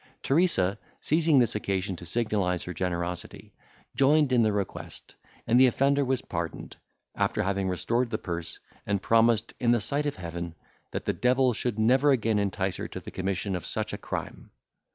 Teresa, seizing this occasion to signalise her generosity, joined in the request, and the offender was pardoned, after having restored the purse, and promised in the sight of Heaven, that the devil should never again entice her to the commission of such a crime.